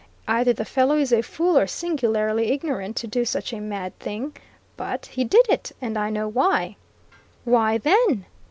Either the fellow is a fool or singularly ignorant, to do such a mad thing! But he did it! And I know why." "Why, then?"